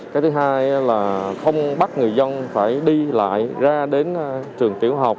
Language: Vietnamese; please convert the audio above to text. cái thứ hai là không bắt người dân phải đi lại ra đến trường tiểu học